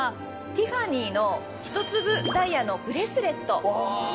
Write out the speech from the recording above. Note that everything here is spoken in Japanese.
ティファニーの１粒ダイヤのブレスレット。